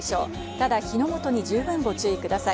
ただ火の元に十分ご注意ください。